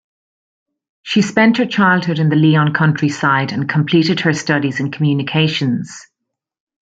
She spent her childhood in the Lyon countryside and completed her studies in communications.